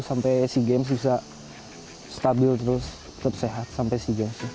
sampai si gems bisa stabil terus tetap sehat sampai si gems